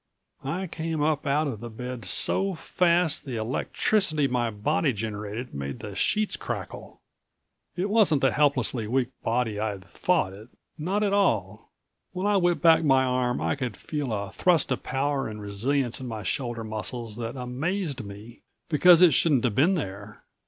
I came up out of the bed so fast the electricity my body generated made the sheets crackle. It wasn't the helplessly weak body I'd thought it. Not at all. When I whipped back my arm I could feel a thrust of power and resilience in my shoulder muscles that amazed me, because it shouldn't have been there.